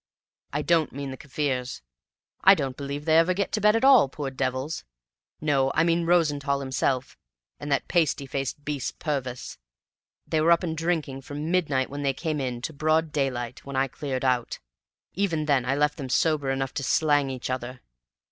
I don't mean the Kaffirs. I don't believe they ever get to bed at all poor devils! No, I mean Rosenthall himself, and that pasty faced beast Purvis. They were up and drinking from midnight, when they came in, to broad daylight, when I cleared out. Even then I left them sober enough to slang each other.